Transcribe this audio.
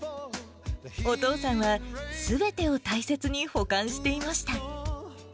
お父さんはすべてを大切に保管していました。